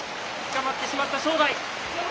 捕まってしまった正代。